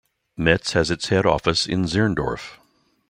Metz has its head office in Zirndorf.